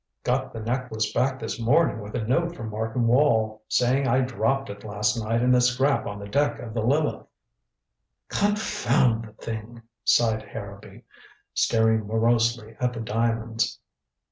Got the necklace back this morning with a note from Martin Wall, saying I dropped it last night in the scrap on the deck of the Lileth." "Confound the thing!" sighed Harrowby, staring morosely at the diamonds.